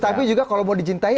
tapi juga kalau mau dicintai